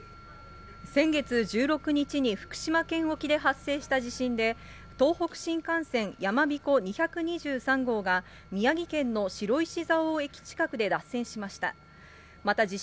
先月１６日に、福島県沖で発生した地震で、東北新幹線やまびこ２２３号が、宮城県の白石蔵王駅近くで脱線しました。